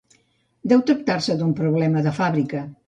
Deu tractar-se d'un problema de fàbrica.